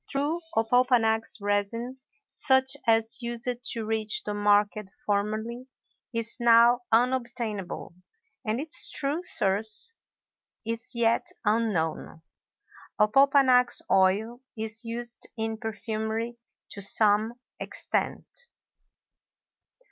True opopanax resin, such as used to reach the market formerly, is now unobtainable, and its true source is yet unknown. Opopanax oil is used in perfumery to some extent.